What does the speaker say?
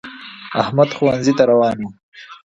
احمد ښونځی تا روان وو